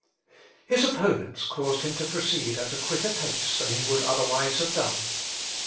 His opponents caused him to proceed at a quicker pace than he would otherwise have done.